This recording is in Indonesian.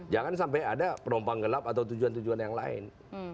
jangan sampai ada penumpang gelap atau tujuan tujuan yang lain